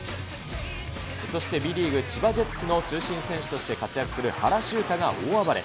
そしてＢリーグ・千葉ジェッツの中心選手として活躍する原修太が大暴れ。